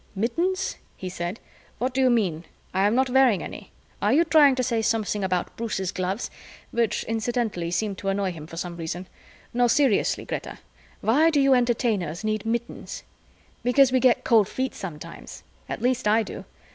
"Mittens?" he said. "What do you mean? I'm not wearing any. Are you trying to say something about Bruce's gloves which incidentally seem to annoy him for some reason. No, seriously, Greta, why do you Entertainers need mittens?" "Because we get cold feet sometimes. At least I do.